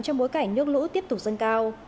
trong bối cảnh nước lũ tiếp tục dâng cao